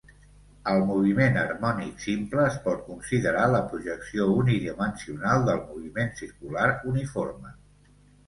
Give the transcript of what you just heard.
El moviment harmònic simple es pot considerar la projecció unidimensional del moviment circular uniforme.